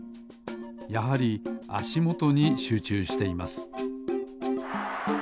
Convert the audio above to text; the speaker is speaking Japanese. やはりあしもとにしゅうちゅうしています